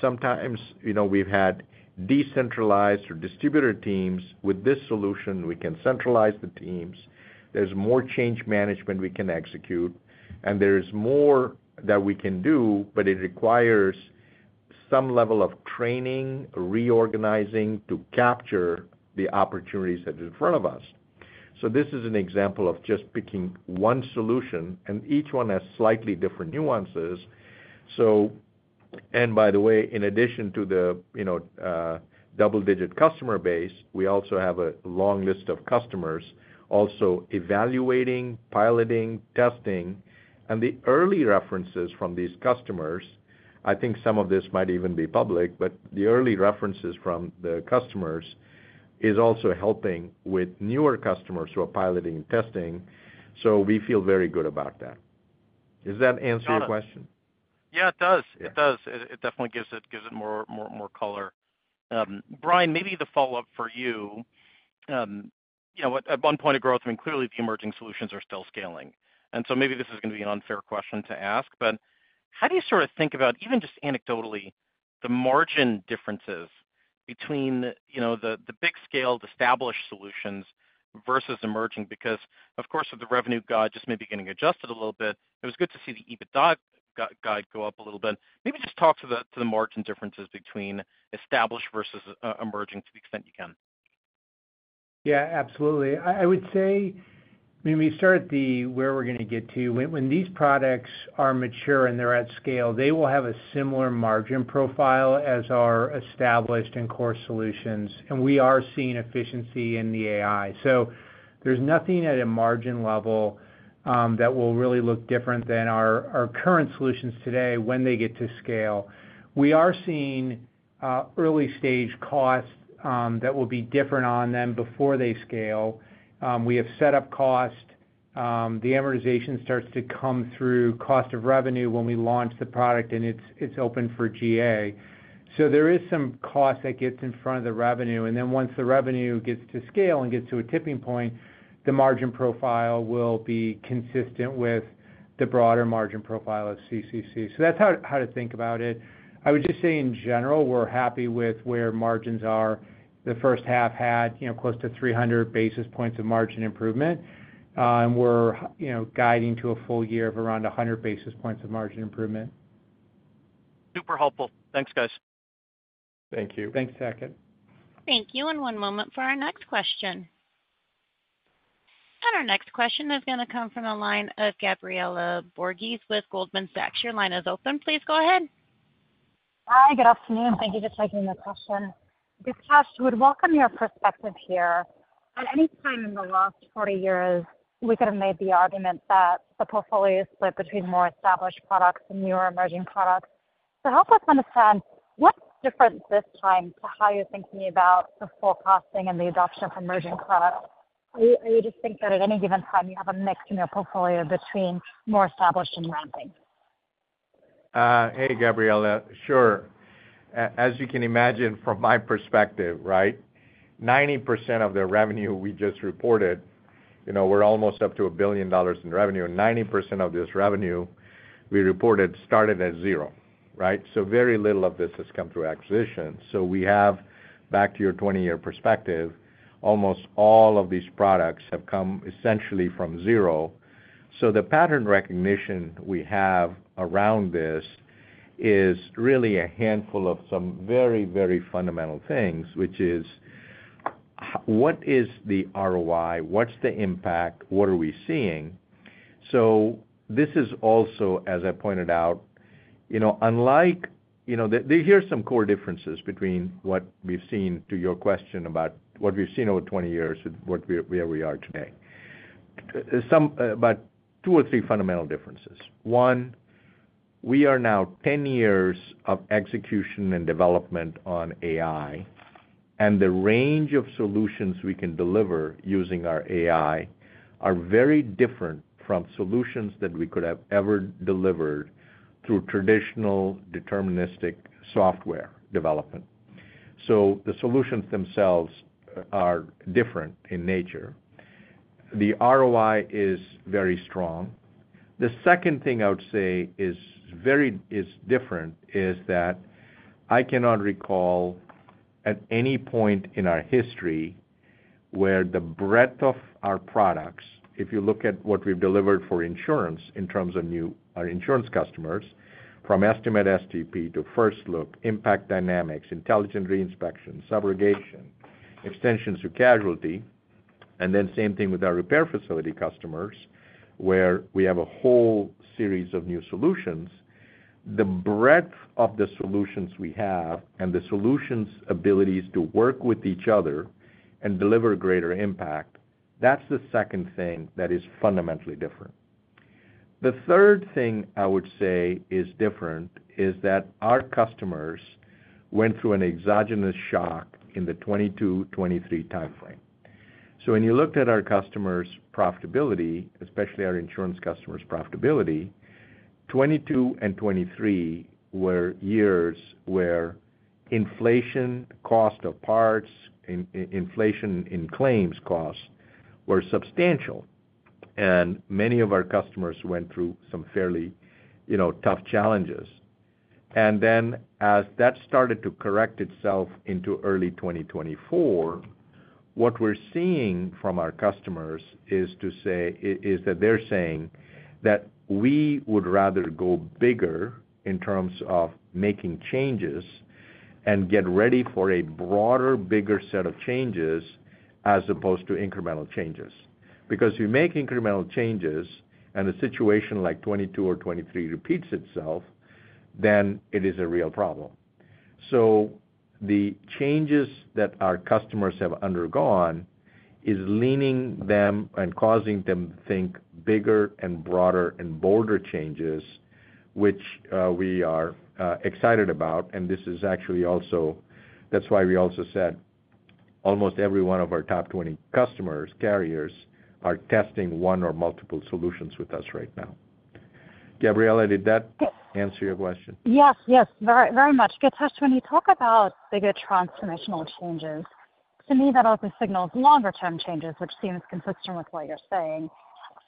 Sometimes we've had decentralized or distributed teams. With this solution, we can centralize the teams. There's more change management we can execute, and there is more that we can do, but it requires some level of training, reorganizing to capture the opportunities that are in front of us." So this is an example of just picking one solution, and each one has slightly different nuances. And by the way, in addition to the double-digit customer base, we also have a long list of customers also evaluating, piloting, testing. And the early references from these customers, I think some of this might even be public, but the early references from the customers is also helping with newer customers who are piloting and testing. So we feel very good about that. Does that answer your question? Yeah, it does. It does. It definitely gives it more color. Brian, maybe the follow-up for you. At one point of growth, I mean, clearly the emerging solutions are still scaling. And so maybe this is going to be an unfair question to ask, but how do you sort of think about, even just anecdotally, the margin differences between the big-scaled established solutions versus emerging? Because, of course, with the revenue guide just maybe getting adjusted a little bit, it was good to see the EBITDA guide go up a little bit. Maybe just talk to the margin differences between established versus emerging to the extent you can. Yeah, absolutely. I would say, I mean, we start at the where we're going to get to. When these products are mature and they're at scale, they will have a similar margin profile as our established and core solutions. And we are seeing efficiency in the AI. So there's nothing at a margin level that will really look different than our current solutions today when they get to scale. We are seeing early-stage costs that will be different on them before they scale. We have setup cost. The amortization starts to come through cost of revenue when we launch the product, and it's open for GA. So there is some cost that gets in front of the revenue. And then once the revenue gets to scale and gets to a tipping point, the margin profile will be consistent with the broader margin profile of CCC. So that's how to think about it. I would just say, in general, we're happy with where margins are. The first half had close to 300 basis points of margin improvement, and we're guiding to a full year of around 100 basis points of margin improvement. Super helpful. Thanks, guys. Thank you. Thanks, Saket. Thank you. And one moment for our next question. Our next question is going to come from the line of Gabriela Borges with Goldman Sachs. Your line is open. Please go ahead. Hi, good afternoon. Thank you for taking the question. Githesh, we'd welcome your perspective here. At any time in the last 40 years, we could have made the argument that the portfolio is split between more established products and newer emerging products. So help us understand what's different this time to how you're thinking about the forecasting and the adoption of emerging products. I would just think that at any given time, you have a mix in your portfolio between more established and rising. Hey, Gabriela. Sure. As you can imagine from my perspective, right, 90% of the revenue we just reported, we're almost up to $1 billion in revenue. 90% of this revenue we reported started at zero, right? So very little of this has come through acquisition. So we have, back to your 20-year perspective, almost all of these products have come essentially from zero. So the pattern recognition we have around this is really a handful of some very, very fundamental things, which is what is the ROI? What's the impact? What are we seeing? So this is also, as I pointed out, unlike here are some core differences between what we've seen to your question about what we've seen over 20 years and where we are today. About two or three fundamental differences. One, we are now 10 years of execution and development on AI, and the range of solutions we can deliver using our AI are very different from solutions that we could have ever delivered through traditional deterministic software development. So the solutions themselves are different in nature. The ROI is very strong. The second thing I would say is different is that I cannot recall at any point in our history where the breadth of our products, if you look at what we've delivered for insurance in terms of our insurance customers, from Estimate-STP to First Look, Impact Dynamics, Intelligent Reinspection, Subrogation, Extensions to Casualty, and then same thing with our repair facility customers where we have a whole series of new solutions, the breadth of the solutions we have and the solutions' abilities to work with each other and deliver greater impact, that's the second thing that is fundamentally different. The third thing I would say is different is that our customers went through an exogenous shock in the 2022, 2023 timeframe. So when you looked at our customers' profitability, especially our insurance customers' profitability, 2022 and 2023 were years where inflation, cost of parts, inflation in claims costs were substantial, and many of our customers went through some fairly tough challenges. And then as that started to correct itself into early 2024, what we're seeing from our customers is that they're saying that we would rather go bigger in terms of making changes and get ready for a broader, bigger set of changes as opposed to incremental changes. Because if you make incremental changes and a situation like 2022 or 2023 repeats itself, then it is a real problem. So the changes that our customers have undergone is leaning them and causing them to think bigger and broader and bolder changes, which we are excited about. This is actually also that's why we also said almost every one of our top 20 customers, carriers, are testing one or multiple solutions with us right now. Gabriela, did that answer your question? Yes, yes. Very much. Githesh, when you talk about the good transformational changes, to me, that also signals longer-term changes, which seems consistent with what you're saying.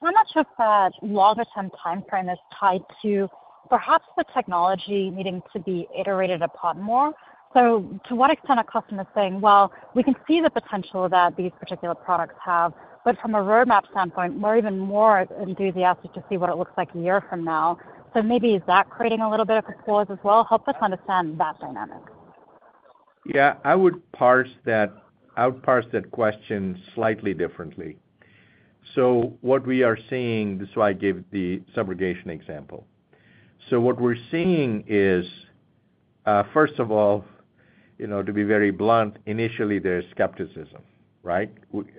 How much of that longer-term timeframe is tied to perhaps the technology needing to be iterated upon more? So to what extent are customers saying, "Well, we can see the potential that these particular products have, but from a roadmap standpoint, we're even more enthusiastic to see what it looks like a year from now"? So maybe is that creating a little bit of a pause as well? Help us understand that dynamic. Yeah. I would parse that question slightly differently. So what we are seeing, this is why I gave the subrogation example. So what we're seeing is, first of all, to be very blunt, initially, there is skepticism, right?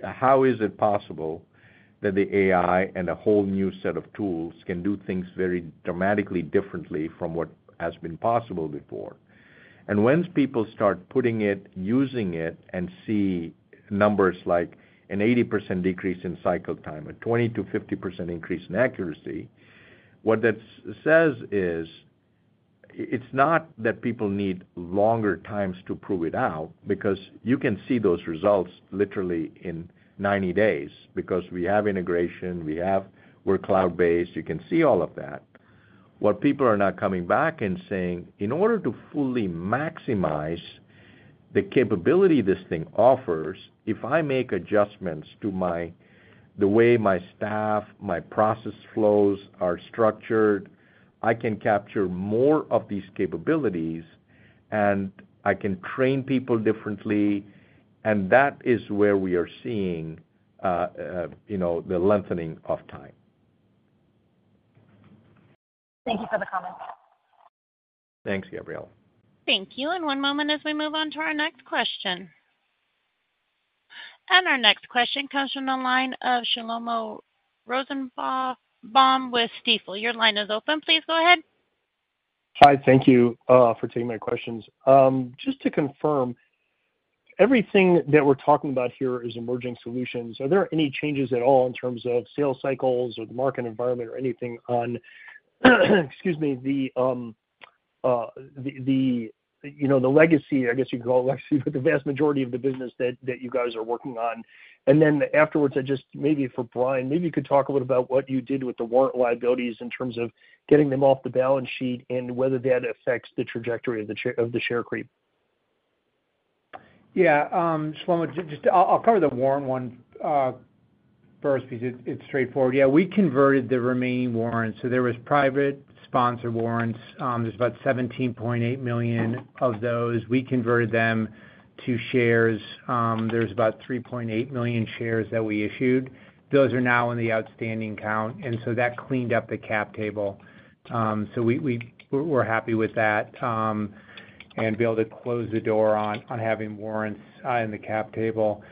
How is it possible that the AI and a whole new set of tools can do things very dramatically differently from what has been possible before? And once people start putting it, using it, and see numbers like an 80% decrease in cycle time and 20%-50% increase in accuracy, what that says is it's not that people need longer times to prove it out because you can see those results literally in 90 days because we have integration. We're cloud-based. You can see all of that. What people are now coming back and saying, "In order to fully maximize the capability this thing offers, if I make adjustments to the way my staff, my process flows are structured, I can capture more of these capabilities, and I can train people differently." And that is where we are seeing the lengthening of time. Thank you for the comment. Thanks, Gabriela. Thank you. And one moment as we move on to our next question. And our next question comes from the line of Shlomo Rosenbaum with Stifel. Your line is open. Please go ahead. Hi. Thank you for taking my questions. Just to confirm, everything that we're talking about here is emerging solutions. Are there any changes at all in terms of sales cycles or the market environment or anything on, excuse me, the legacy, I guess you could call it legacy, but the vast majority of the business that you guys are working on? And then afterwards, maybe for Brian, maybe you could talk a little about what you did with the warrant liabilities in terms of getting them off the balance sheet and whether that affects the trajectory of the share creep. Yeah. Shlomo, I'll cover the warrant one first because it's straightforward. Yeah. We converted the remaining warrants. So there were private sponsor warrants. There's about 17.8 million of those. We converted them to shares. There's about 3.8 million shares that we issued. Those are now in the outstanding count. And so that cleaned up the cap table. So we're happy with that and being able to close the door on having warrants in the cap table.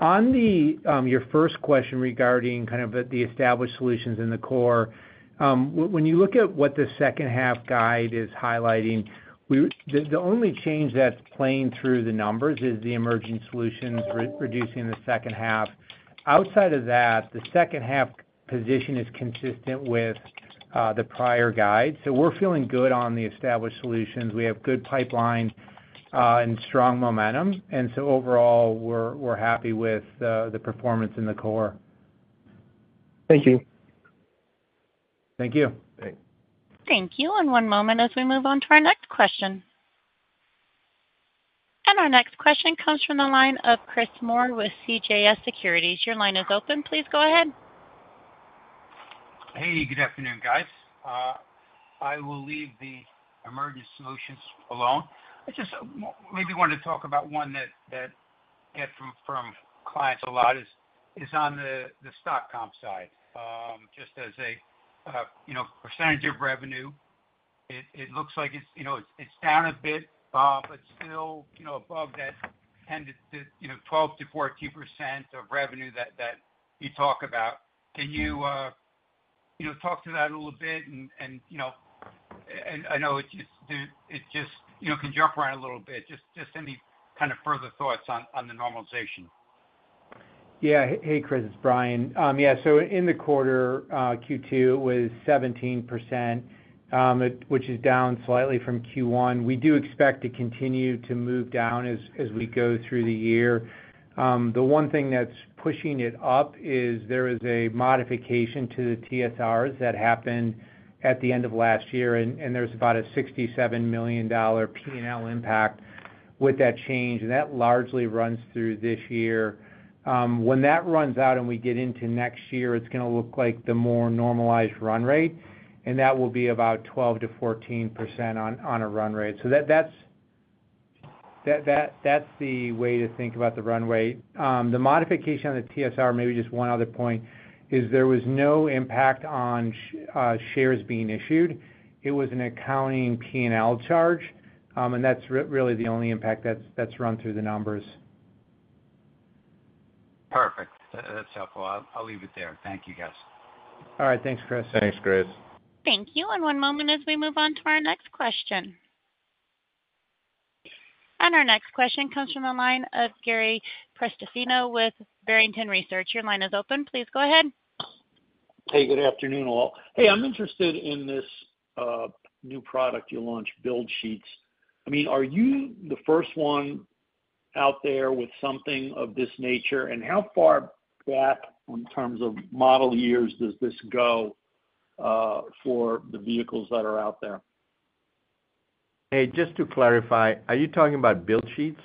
On your first question regarding kind of the established solutions and the core, when you look at what the second-half guide is highlighting, the only change that's playing through the numbers is the emerging solutions reducing the second half. Outside of that, the second-half position is consistent with the prior guide. So we're feeling good on the established solutions. We have good pipeline and strong momentum. And so overall, we're happy with the performance in the core. Thank you. Thank you. Thank you. And one moment as we move on to our next question. And our next question comes from the line of Chris Moore with CJS Securities. Your line is open. Please go ahead. Hey, good afternoon, guys. I will leave the emerging solutions alone. I just maybe wanted to talk about one that I get from clients a lot is on the stock comp side. Just as a percentage of revenue, it looks like it's down a bit, but still above that 10% to 12% to 14% of revenue that you talk about. Can you talk to that a little bit? And I know it just can jump around a little bit. Just any kind of further thoughts on the normalization? Yeah. Hey, Chris. It's Brian. Yeah. So in the quarter, Q2 was 17%, which is down slightly from Q1. We do expect to continue to move down as we go through the year. The one thing that's pushing it up is there is a modification to the TSRs that happened at the end of last year, and there's about a $67 million P&L impact with that change. That largely runs through this year. When that runs out and we get into next year, it's going to look like the more normalized run rate, and that will be about 12%-14% on a run rate. So that's the way to think about the run rate. The modification on the TSR, maybe just one other point, is there was no impact on shares being issued. It was an accounting P&L charge, and that's really the only impact that's run through the numbers. Perfect. That's helpful. I'll leave it there. Thank you, guys. All right. Thanks. Thank you. And one moment as we move on to our next question. Our next question comes from the line of Gary Prestopino with Barrington Research. Your line is open. Please go ahead. Hey, good afternoon all. Hey, I'm interested in this new product you launched, Build Sheets. I mean, are you the first one out there with something of this nature? And how far back in terms of model years does this go for the vehicles that are out there? Hey, just to clarify, are you talking about Build Sheets?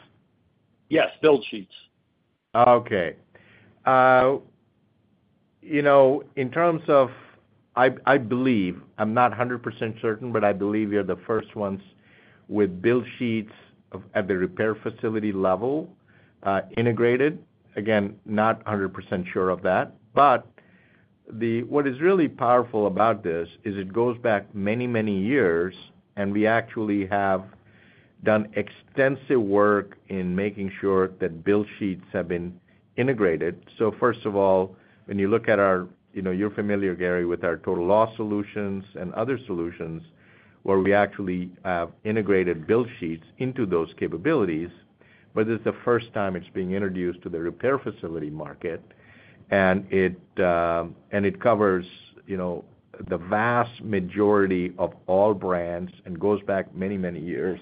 Yes, Build Sheets. Okay. In terms of, I believe I'm not 100% certain, but I believe you're the first ones with Build Sheets at the repair facility level integrated. Again, not 100% sure of that. But what is really powerful about this is it goes back many, many years, and we actually have done extensive work in making sure that Build Sheets have been integrated. So first of all, when you look at our, you're familiar, Gary, with our total loss solutions and other solutions where we actually have integrated Build Sheets into those capabilities, but this is the first time it's being introduced to the repair facility market, and it covers the vast majority of all brands and goes back many, many years.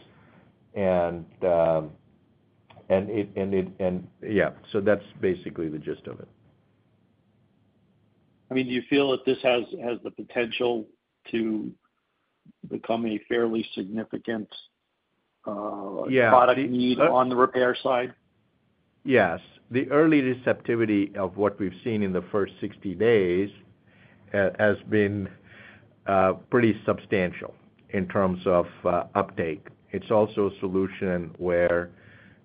And yeah, so that's basically the gist of it. I mean, do you feel that this has the potential to become a fairly significant product need on the repair side? Yes. The early receptivity of what we've seen in the first 60 days has been pretty substantial in terms of uptake. It's also a solution where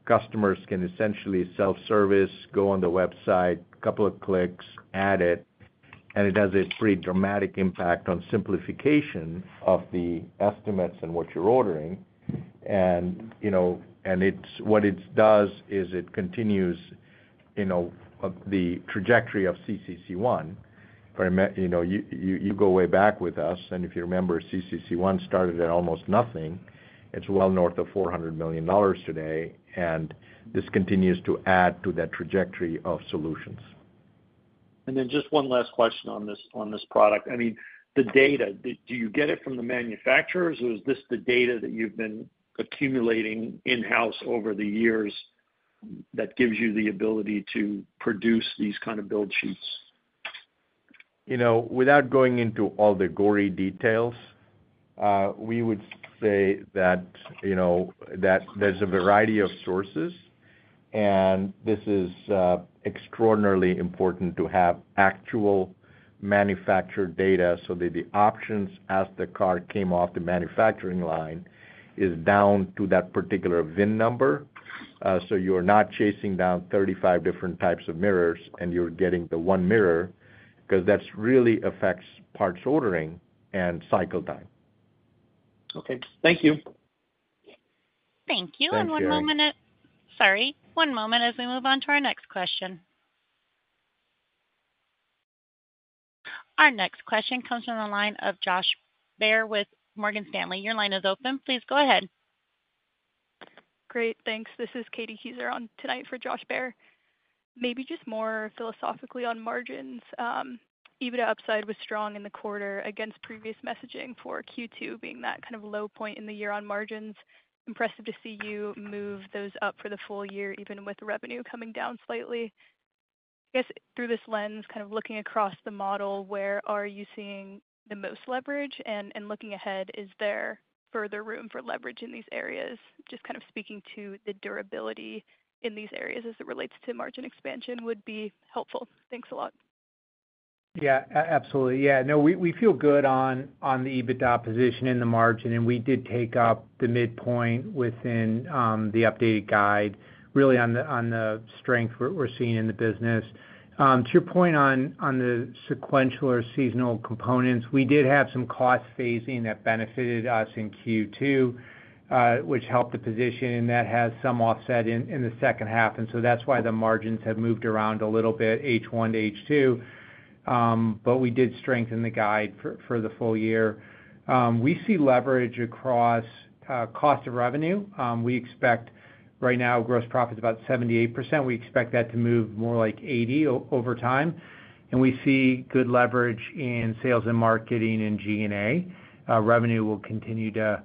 customers can essentially self-service, go on the website, a couple of clicks, add it, and it has a pretty dramatic impact on simplification of the estimates and what you're ordering. What it does is it continues the trajectory of CCC ONE. You go way back with us, and if you remember, CCC ONE started at almost nothing. It's well north of $400 million today, and this continues to add to that trajectory of solutions. Then just one last question on this product. I mean, the data, do you get it from the manufacturers, or is this the data that you've been accumulating in-house over-the-years that gives you the ability to produce these kind of Build Sheets? Without going into all the gory details, we would say that there's a variety of sources, and this is extraordinarily important to have actual manufactured data so that the options as the car came off the manufacturing line is down to that particular VIN number. So you're not chasing down 35 different types of mirrors, and you're getting the one mirror because that really affects parts ordering and cycle time. Okay. Thank you. Thank you. And one moment as we move on to our next question. Our next question comes from the line of Josh Baer with Morgan Stanley. Your line is open. Please go ahead. Great. Thanks. This is Katie Keyser on tonight for Josh Baer. Maybe just more philosophically on margins. Even an upside was strong in the quarter against previous messaging for Q2 being that kind of low point in the year on margins. Impressive to see you move those up for the full year, even with revenue coming down slightly. I guess through this lens, kind of looking across the model, where are you seeing the most leverage? Looking ahead, is there further room for leverage in these areas? Just kind of speaking to the durability in these areas as it relates to margin expansion would be helpful. Thanks a lot. Yeah. Absolutely. Yeah. No, we feel good on the EBITDA position in the margin, and we did take up the midpoint within the updated guide, really on the strength we're seeing in the business. To your point on the sequential or seasonal components, we did have some cost phasing that benefited us in Q2, which helped the position, and that has some offset in the second half. And so that's why the margins have moved around a little bit, H1 to H2. But we did strengthen the guide for the full year. We see leverage across cost of revenue. We expect right now gross profit is about 78%. We expect that to move more like 80 over time. We see good leverage in sales and marketing and G&A. Revenue will continue to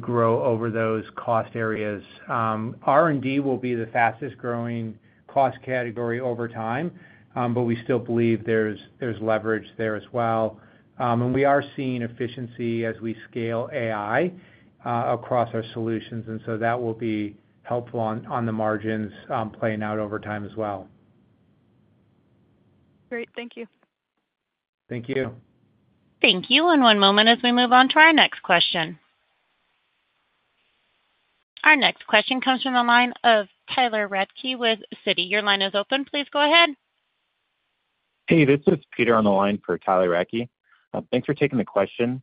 grow over those cost areas. R&D will be the fastest-growing cost category over time, but we still believe there's leverage there as well. We are seeing efficiency as we scale AI across our solutions, and so that will be helpful on the margins playing out over time as well. Great. Thank you. Thank you. Thank you. One moment as we move on to our next question. Our next question comes from the line of Tyler Radke with Citi. Your line is open. Please go ahead. Hey, this is Peter on the line for Tyler Radke. Thanks for taking the question.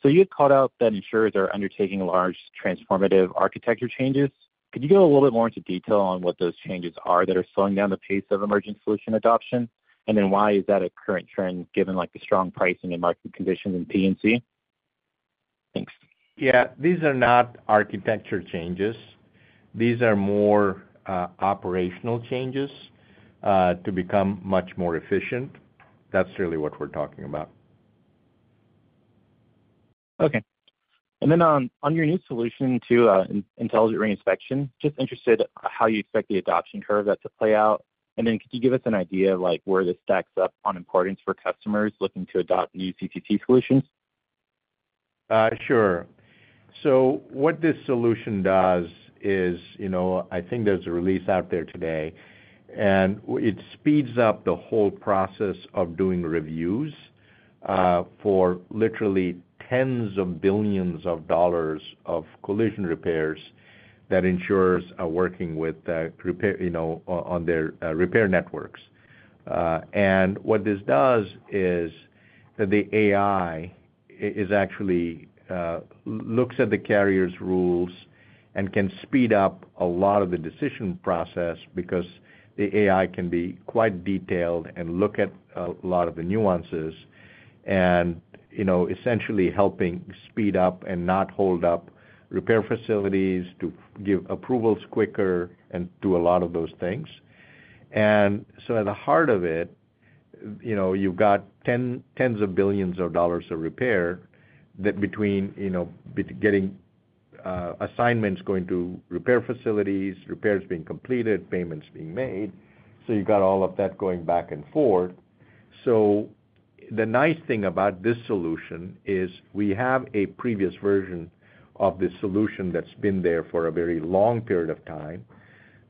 So you had called out that insurers are undertaking large transformative architecture changes. Could you go a little bit more into detail on what those changes are that are slowing down the pace of emerging solution adoption? And then why is that a current trend given the strong pricing and market conditions in P&C? Thanks. Yeah. These are not architecture changes. These are more operational changes to become much more efficient. That's really what we're talking about. Okay. And then on your new solution to intelligent reinspection, just interested how you expect the adoption curve that to play out. And then could you give us an idea of where this stacks up on importance for customers looking to adopt new CCC solutions? Sure. What this solution does is I think there's a release out there today, and it speeds up the whole process of doing reviews for literally tens of billions of dollars of collision repairs that insurers are working with on their repair networks. What this does is that the AI actually looks at the carrier's rules and can speed up a lot of the decision process because the AI can be quite detailed and look at a lot of the nuances and essentially helping speed up and not hold up repair facilities to give approvals quicker and do a lot of those things. At the heart of it, you've got tens of billions of dollars of repair that between getting assignments going to repair facilities, repairs being completed, payments being made. You've got all of that going back and forth. The nice thing about this solution is we have a previous version of the solution that's been there for a very long period of time.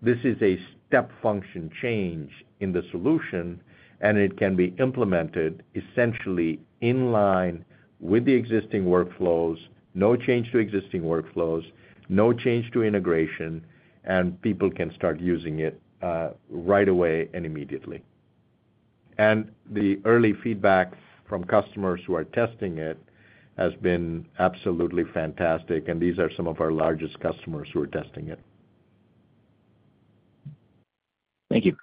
This is a step function change in the solution, and it can be implemented essentially in line with the existing workflows, no change to existing workflows, no change to integration, and people can start using it right away and immediately. The early feedback from customers who are testing it has been absolutely fantastic. These are some of our largest customers who are testing it. Thank you.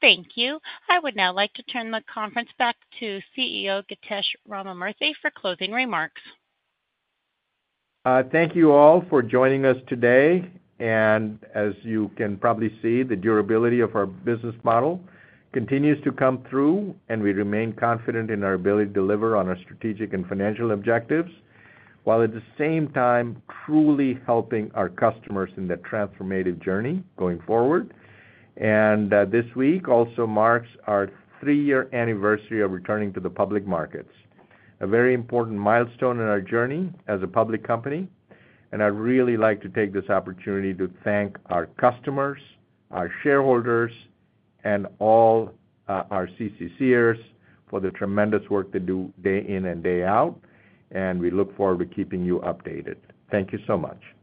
Thank you. I would now like to turn the conference back to CEO Githesh Ramamurthy for closing remarks. Thank you all for joining us today. As you can probably see, the durability of our business model continues to come through, and we remain confident in our ability to deliver on our strategic and financial objectives while at the same time truly helping our customers in the transformative journey going forward. This week also marks our three-year anniversary of returning to the public markets, a very important milestone in our journey as a public company. I'd really like to take this opportunity to thank our customers, our shareholders, and all our CCCers for the tremendous work they do day in and day out. We look forward to keeping you updated. Thank you so much.